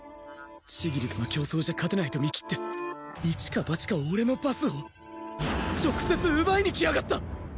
千切との競走じゃ勝てないと見切って一か八か俺のパスを直接奪いに来やがった！